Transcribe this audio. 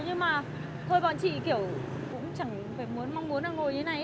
nhưng mà thôi bọn chị kiểu cũng chẳng phải mong muốn ngồi như thế này